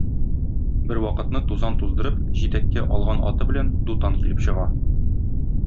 Бервакытны тузан туздырып, җитәккә алган аты белән, Дутан килеп чыга.